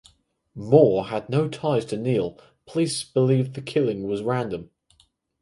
Moore had no ties to Neal and police believe the killing was random.